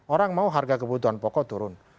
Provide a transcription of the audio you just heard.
orang mau harga kebutuhan pokok turun